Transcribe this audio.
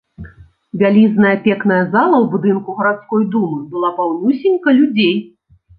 Вялізная пекная зала ў будынку гарадской думы была паўнюсенька людзей.